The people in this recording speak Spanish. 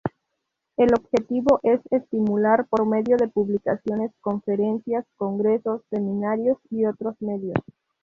El objetivo es estimular por medio de publicaciones, conferencias, congresos, seminarios y otros medios.